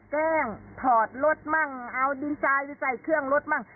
แกล้งถอดรถมั่งเอาดินทรายไปใส่เครื่องรถมั่ง